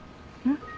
ん？